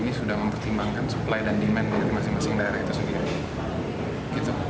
ini sudah mempertimbangkan supply dan demand dari masing masing daerah itu sendiri